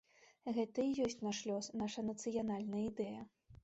Гэта і ёсць наш лёс, наша нацыянальная ідэя.